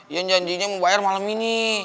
ian janjinya membayar malem ini